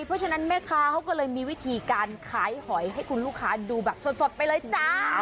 เพราะฉะนั้นแม่ค้าเขาก็เลยมีวิธีการขายหอยให้คุณลูกค้าดูแบบสดไปเลยจ้า